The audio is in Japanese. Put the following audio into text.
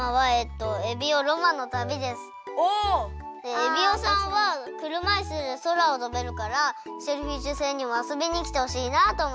エビオさんはくるまいすでそらをとべるからシェルフィッシュ星にもあそびにきてほしいなとおもってかきました。